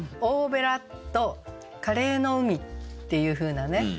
「大ベラ」と「カレーの海」っていうふうなね